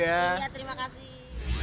iya terima kasih